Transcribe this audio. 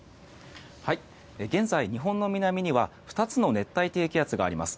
現在、日本の南には２つの熱帯低気圧があります。